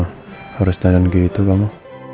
harus dandan gitu kamu